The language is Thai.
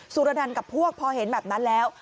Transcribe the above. สุรนันต์กับพวกพอเห็นแบบนั้นแล้ว